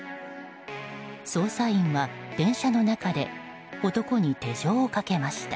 捜査員は電車の中で男に手錠をかけました。